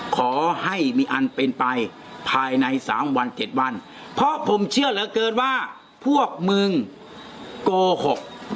ขอให้มีอันเป็นไปภายในสามวันเจ็ดวันเพราะผมเชื่อเหลือเกินว่าพวกมึงโกหก